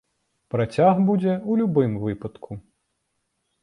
Працяг будзе ў любым выпадку.